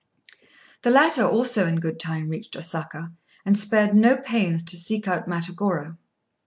The latter also in good time reached Osaka, and spared no pains to seek out Matagorô.